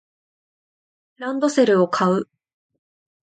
ランドセルを買う